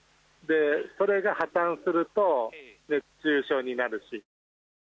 それが破綻すると熱中症になるし。